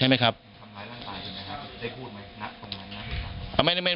ไม่ได้พูดครับเท่าไหร่